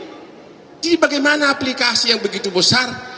jadi bagaimana aplikasi yang begitu besar